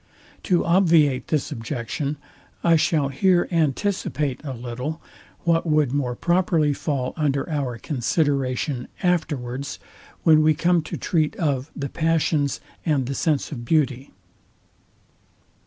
To obviate this objection, I shall here anticipate a little what would more properly fall under our consideration afterwards, when we come to treat of the passions and the sense of beauty.